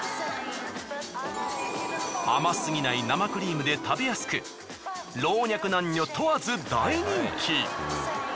甘すぎない生クリームで食べやすく老若男女問わず大人気！